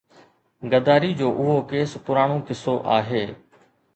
غداري جو اهو ڪيس پراڻو قصو آهي.